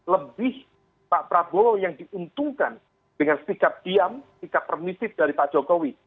lebih pak prabowo yang diuntungkan dengan sikap diam sikap permisif dari pak jokowi